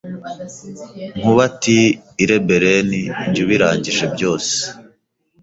Nkuba ati Irebereni jye ubirangije byose